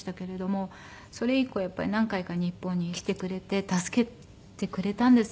それ以降やっぱり何回か日本に来てくれて助けてくれたんです。